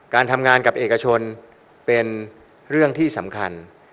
การทำงานกับเอกชนเป็นเรื่องที่สำคัญ